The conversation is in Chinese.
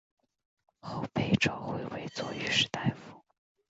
后被召回为左御史大夫。